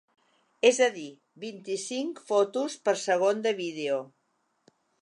És a dir: vint-i-cinc fotos per segon de vídeo.